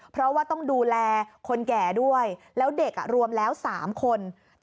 เพราะว่าต้องดูแลคนแก่ด้วยแล้วเด็กรวมแล้ว๓คน